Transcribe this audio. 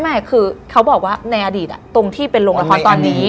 ไม่คือเขาบอกว่าในอดีตตรงที่เป็นโรงละครตอนนี้